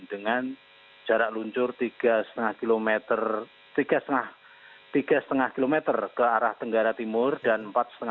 dengan jarak luncur tiga lima km ke arah tenggara timur dan empat lima km ke arah sinabung